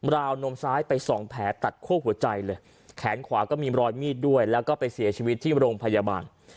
วนมซ้ายไปสองแผลตัดคั่วหัวใจเลยแขนขวาก็มีรอยมีดด้วยแล้วก็ไปเสียชีวิตที่โรงพยาบาล